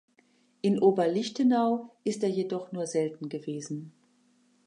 In Oberlichtenau ist er jedoch nur selten gewesen.